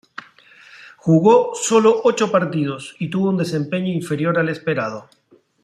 Jugó solo ocho partidos y tuvo un desempeño inferior al esperado.